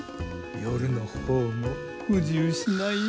夜の方も不自由しないよ。